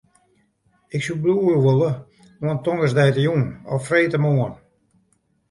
Ik soe bliuwe wolle oant tongersdeitejûn of freedtemoarn.